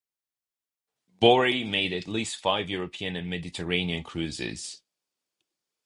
"Borie" made at least five European and Mediterranean cruises.